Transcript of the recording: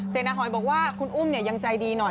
นาหอยบอกว่าคุณอุ้มยังใจดีหน่อย